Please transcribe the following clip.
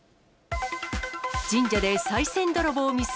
神社でさい銭泥棒未遂。